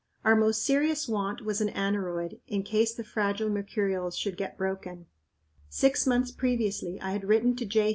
Our most serious want was an aneroid, in case the fragile mercurials should get broken. Six months previously I had written to J.